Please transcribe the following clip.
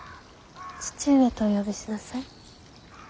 義父上とお呼びしなさい。